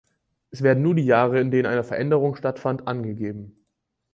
Es werden nur die Jahre, in denen eine Veränderung stattfand, angegeben.